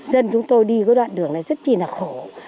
dân chúng tôi đi cái đoạn đường này rất là khổ